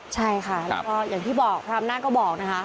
ใช่ค่ะแล้วก็อย่างที่บอกพระอำนาจก็บอกนะคะ